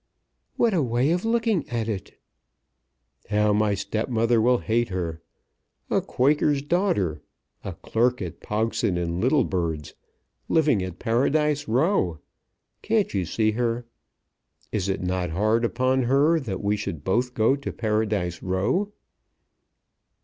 "What a way of looking at it." "How my stepmother will hate her! A Quaker's daughter! A clerk at Pogson and Littlebird's! Living at Paradise Row! Can't you see her! Is it not hard upon her that we should both go to Paradise Row?"